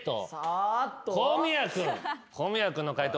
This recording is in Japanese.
小宮君の解答